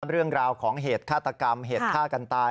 เรื่องราวของเหตุฆาตกรรมเหตุฆ่ากันตาย